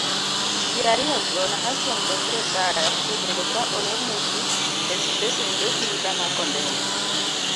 ji ariyogo nahason kod josiah osebedo ka olornegi estesend obila ma kondele